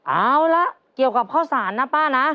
เอาละเกี่ยวกับข้าวสารนะป้านะ